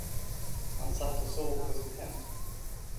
Han satt och såg på sitt hem.